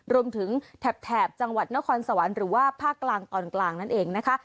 แถบจังหวัดนครสวรรค์หรือว่าภาคกลางตอนกลางนั่นเองนะคะ